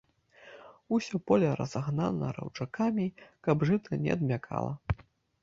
Усё поле разагнана раўчакамі, каб жыта не адмякала.